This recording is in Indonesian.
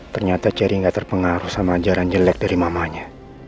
ternyata cherry gak terpengaruh sama ajaran jelek dari mamanya